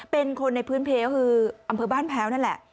เป็นคนในพื้นเพลคืออำเภอบ้านแพ้วนั่นแหละ